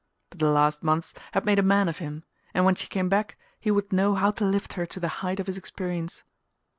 But the last months had made a man of him, and when she came back he would know how to lift her to the height of his experience.